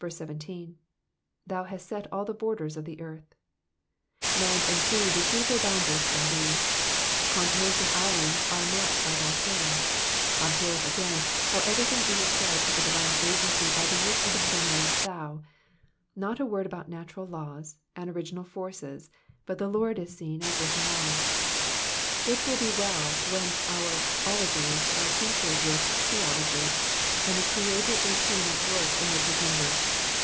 17. Thou hast set all the borders of the earth,'''' Land and sea receive their 1>oundaries from thee. Continents and islands are mnpped by thy hand. Ob serve, again, how everything is ascribed to the divine agency by the use of the pronoun thou ;'' not a word about natural laws, and original forces, but the Lord is seen as working all. It will be well when all our ologies'' are tinctuied with '* theology,'* and the Creator is seen at work amid his universe.